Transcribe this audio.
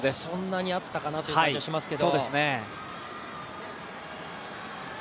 そんなにあったかなという感じがしますけど。